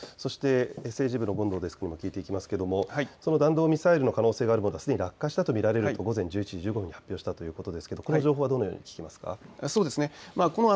政治部の権藤デスク、弾道ミサイルの可能性があるもの、すでに落下したと見られると午前１１時１５分に発表したということですがこの情報はどのように聞きますか。